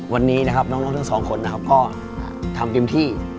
วันนี้น้องทั้งสองก็ทำจริงที่